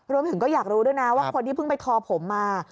รวมถึงก็อยากรู้ด้วยนะว่าคนที่เพิ่งไปคอผมมา